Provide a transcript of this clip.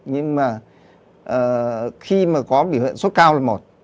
nhưng mà khi mà có bị hợp số cao là một